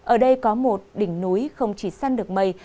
ở đây có một đỉnh núi không chỉ săn được mây